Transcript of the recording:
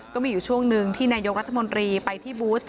ก็มีอยู่ช่วงหนึ่งที่นายกรัฐมนตรีไปที่บูธ